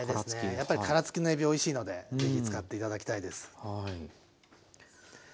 やっぱり殻付きのえびおいしのでぜひ使って頂きたいです。